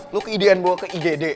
lo ke idn bawa ke igd